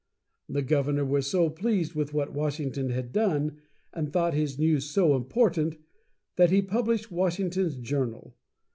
The governor was so pleased with what Washington had done, and thought his news so important, that he published Washington's journal.